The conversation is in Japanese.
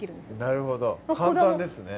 なるほど簡単ですね